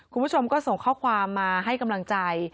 คุณผู้ชมก็ส่งข้อความมาให้กำลังใจ